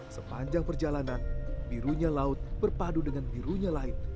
sepanjang perjalanan birunya laut berpadu dengan birunya lain